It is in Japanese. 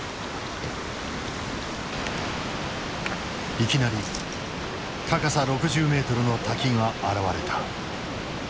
いきなり高さ６０ｍの滝が現れた。